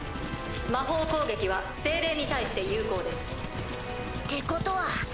魔法攻撃は精霊に対して有効です。ってことは。